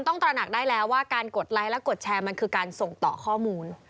ตระหนักได้แล้วว่าการกดไลค์และกดแชร์มันคือการส่งต่อข้อมูล